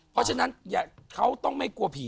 เพราะฉะนั้นเขาต้องไม่กลัวผี